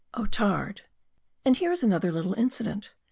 OTARD. AND here is another little incident.